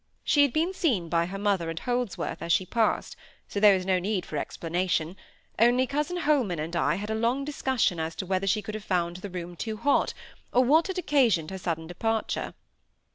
She had been seen by her mother and Holdsworth, as she passed; so there was no need for explanation, only cousin Holman and I had a long discussion as to whether she could have found the room too hot, or what had occasioned her sudden departure.